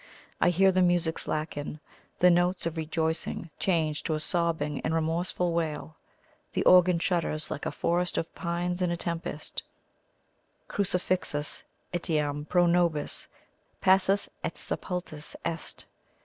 I hear the music slacken; the notes of rejoicing change to a sobbing and remorseful wail; the organ shudders like a forest of pines in a tempest, "Crucifixus etiam pro nobis; passus et sepultus est."